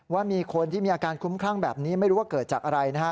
ว่ามีคนที่มีอาการคุ้มคลั่งแบบนี้ไม่รู้ว่าเกิดจากอะไรนะฮะ